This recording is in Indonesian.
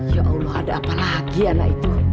ya allah ada apa lagi anak itu